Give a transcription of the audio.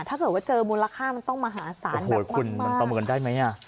ถ้าเกิดว่าเจอมูลค่ามันต้องมหาศาลโอ้โหคุณมันประเมินได้ไหมอ่ะ